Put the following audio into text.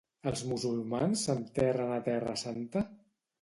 Els musulmans s'enterren a terra santa?